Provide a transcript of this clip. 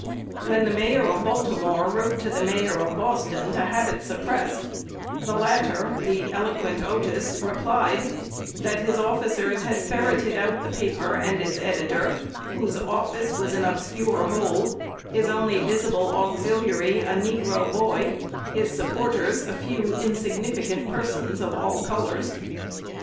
When the Mayor of Baltimore wrote to the Mayor of Boston to have it suppressed, the latter (the eloquent Otis) replied, "that his officers had ferreted out the paper and its editor, whose office was an obscure hole; his only visible auxiliary a negro boy; his supporters a few insignificant persons of all colors."